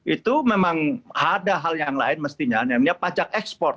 itu memang ada hal yang lain mestinya namanya pajak ekspor